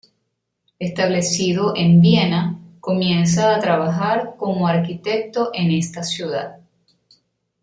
Establecido en Viena, comienza a trabajar como arquitecto en esta ciudad.